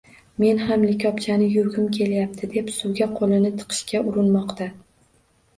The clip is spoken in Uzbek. “Men ham likopchani yuvgim kelyapti”, deb suvga qo‘lini tiqishga urinmoqda